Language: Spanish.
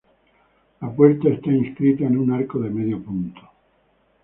La puerta está inscrita en un arco de medio punto.